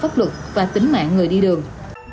tính mạng người đi đường